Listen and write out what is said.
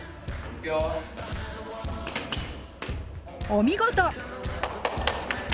お見事！